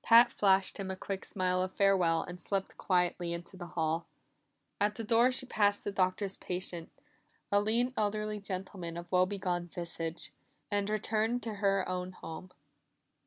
Pat flashed him a quick smile of farewell and slipped quietly into the hall. At the door she passed the Doctor's patient a lean, elderly gentleman of woe begone visage and returned to her own home.